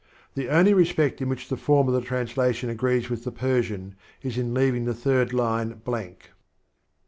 The only respect in which the fonn of the translation agrees with the Persian is in leaving the third line blank.